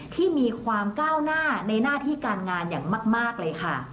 ที่มีความก้าวหน้าในหน้าที่การงานอย่างมากเลยค่ะ